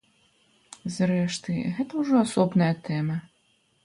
Зрэшты, гэта ўжо асобная тэма.